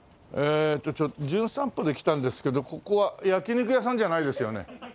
『じゅん散歩』で来たんですけどここは焼き肉屋さんじゃないですよね？